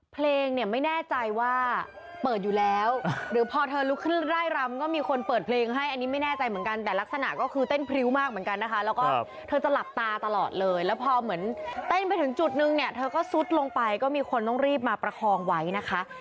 เพลงเนี่ยไม่แน่ใจว่าเปิดอยู่แล้วหรือพอเธอลุกขึ้นไล่รำก็มีคนเปิดเพลงให้อันนี้ไม่แน่ใจเหมือนกันแต่ลักษณะก็คือเต้นพริ้วมากเหมือนกันนะคะแล้วก็เธอจะหลับตาตลอดเลยแล้วพอเหมือนเต้นไปถึงจุดนึงเนี่ยเธอก็ซุดลงไปก็มีคนต้องรีบมาประคองไว้นะคะ